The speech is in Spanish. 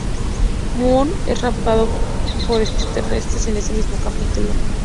Mulder es raptado por extraterrestres en ese mismo capítulo.